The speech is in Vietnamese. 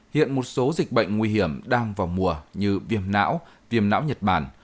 hiện một số dịch bệnh nguy hiểm đang vào mùa như viêm não viêm não nhật bản